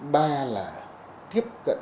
ba là tiếp cận